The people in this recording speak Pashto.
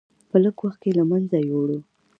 په لږ وخت کې له منځه یووړ.